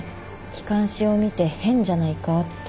気管支を見て変じゃないかって。